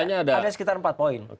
ada sekitar empat poin